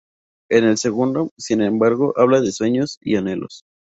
En el segundo, sin embargo, habla de sueños y anhelos.